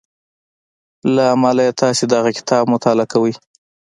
له امله يې تاسې دغه کتاب مطالعه کوئ.